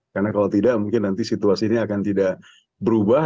karena kalau tidak mungkin nanti situasinya akan tidak berubah